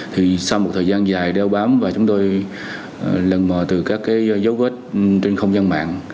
thì sau một thời gian dài đeo bám và chúng tôi lần mò từ các cái dấu vết trên không gian mạng